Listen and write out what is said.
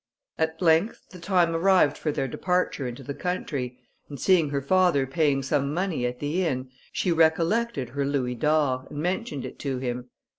At length the time arrived for their departure into the country; and seeing her father paying some money at the inn, she recollected her louis d'or, and mentioned it to him.